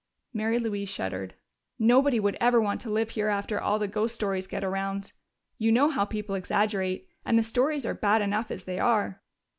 Mary Louise shuddered. "Nobody would ever want to live here after all the ghost stories get around. You know how people exaggerate, and the stories are bad enough as they are."